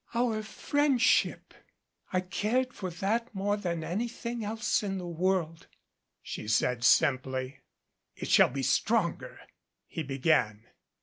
"Our friendship I cared for that more than anything else in the world," she said simply. "It shall be stronger," he began.